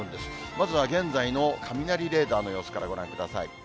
まずは現在の雷レーダーの様子からご覧ください。